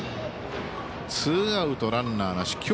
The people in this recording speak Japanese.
ツーアウトランナーなし。